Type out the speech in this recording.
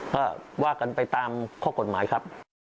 ก็ว่ากันไปตามข้อกฎหมายครับ